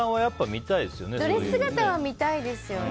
ドレス姿は見たいですよね。